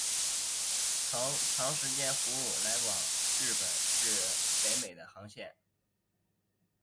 曾长时间服务来往日本至北美的航线。